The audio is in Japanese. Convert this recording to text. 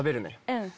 うん。